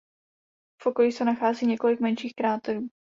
V okolí se nachází několik menších kráterů.